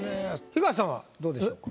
東さんはどうでしょう？